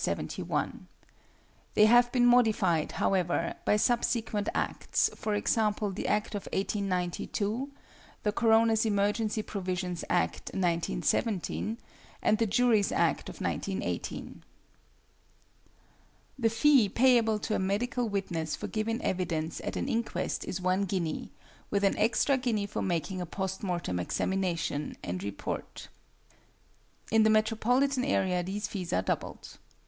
71). They have been modified, however, by subsequent Acts e.g., the Act of 1892, the Coroners (Emergency Provisions) Act, 1917, and the Juries Act of 1918. The fee payable to a medical witness for giving evidence at an inquest is one guinea, with an extra guinea for making a post mortem examination and report (in the metropolitan area these fees are doubled).